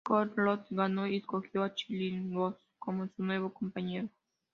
Scott Lost ganó y escogió a Chris Bosh como su nuevo compañero.